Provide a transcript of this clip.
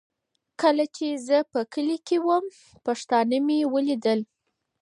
کله چي زه په کلي کي وم، پښتانه مي ولیدل.